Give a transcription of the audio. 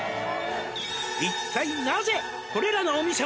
「一体なぜこれらのお店は」